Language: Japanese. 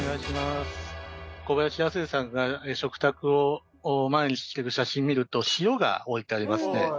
小林亜星さんが食卓を前にしてる写真見ると塩が置いてありますね。